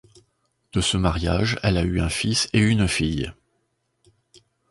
De ce mariage elle a eu un fils et une fille.